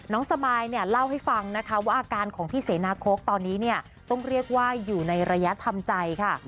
สมายเนี่ยเล่าให้ฟังนะคะว่าอาการของพี่เสนาโค้กตอนนี้เนี่ยต้องเรียกว่าอยู่ในระยะทำใจค่ะ